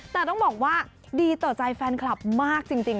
แต่ต้องบอกว่าดีต่อใจแฟนคลับมากจริง